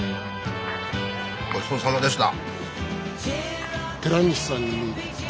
ごちそうさまでした。